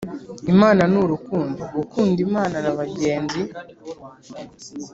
Imana ni urukundo gukunda imana na bagenzi